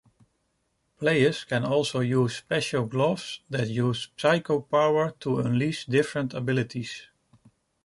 Players can also use special gloves that use psychopower to unleash different abilities.